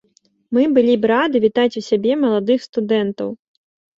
Мы былі б рады вітаць у сябе маладых студэнтаў.